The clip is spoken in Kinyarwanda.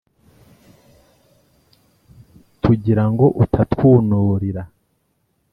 Tugira ngo utatwunurira